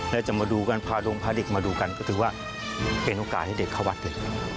แล้วจะมาดูกันพาดงพาเด็กมาดูกันก็ถือว่าเป็นโอกาสให้เด็กเข้าวัดเลย